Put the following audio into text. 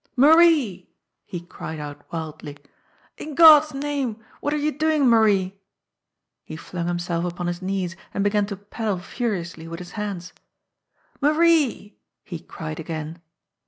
"Marie!" he cried out wildly. "In God's name, what are you doing, Marie!" He flung himself upon his knees and began to paddle furiously with his hands. "Marie!" he cried again.